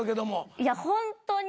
いやホントに。